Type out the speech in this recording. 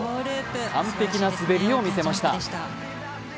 完璧な滑りを見せました。